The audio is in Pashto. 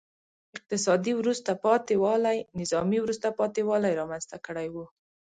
اقتصادي وروسته پاتې والي نظامي وروسته پاتې والی رامنځته کړی و.